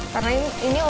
karena ini untuk